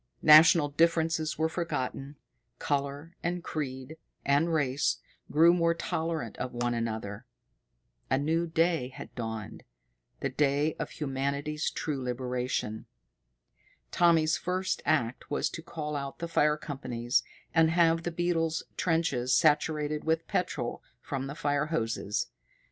National differences were forgotten, color and creed and race grew more tolerant of one another. A new day had dawned the day of humanity's true liberation. Tommy's first act was to call out the fire companies and have the beetles' trenches saturated with petrol from the fire hoses.